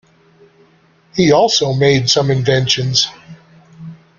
He also made some inventions.